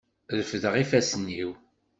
Refdeɣ ifassen-iw.